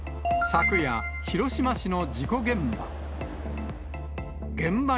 昨夜、広島市の事故現場。